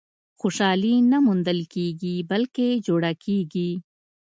• خوشالي نه موندل کېږي، بلکې جوړه کېږي.